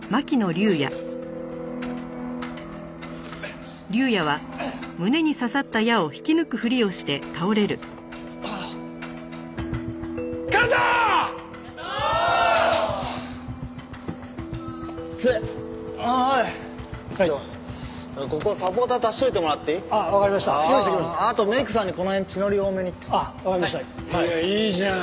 竜也いいじゃん。